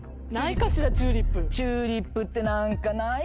チューリップって何か。